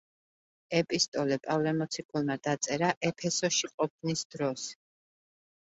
ეპისტოლე პავლე მოციქულმა დაწერა ეფესოში ყოფნის დროს.